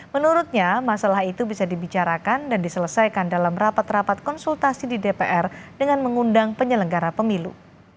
menurutnya masalah itu bisa dibicarakan dan diselesaikan dalam rapat rapat konsultasi di dpr dengan mengundang penyelenggara pemilu